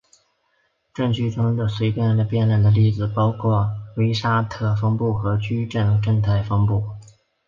矩阵值随机变量的例子包括威沙特分布和矩阵正态分布。